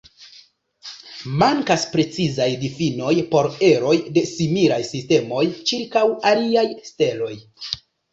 Mankas precizaj difinoj por eroj de similaj sistemoj ĉirkaŭ aliaj steloj.